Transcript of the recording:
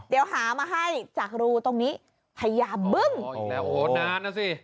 เดี๋ยวหามาให้จากรูตรงนี้พญาบึ้งอ๋ออีกแล้วโอ้โหนานนะสิ